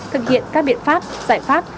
thực hiện các biện pháp giải pháp